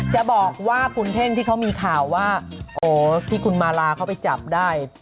จะบอกว่าคุณเท่งที่เขามีข่าวว่าโอ้ที่คุณมาลาเขาไปจับได้